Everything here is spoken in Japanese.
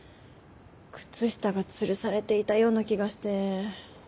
靴下がつるされていたような気がして。